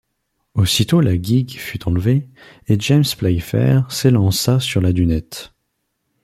Aussitôt la guigue fut enlevée, et James Playfair s’élança sur la dunette.